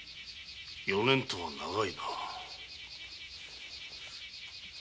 ４年とは長いな。